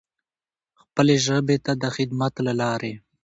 خپلې ژبې ته د خدمت له لارې.